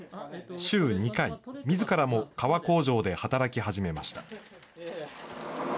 週２回、みずからも革工場で働き始めました。